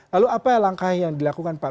lalu apa langkah yang dilakukan pak